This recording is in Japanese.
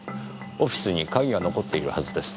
オフィスに鍵が残っているはずです。